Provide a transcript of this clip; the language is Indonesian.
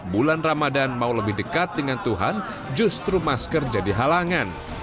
bulan ramadan mau lebih dekat dengan tuhan justru masker jadi halangan